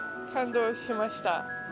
感動しました。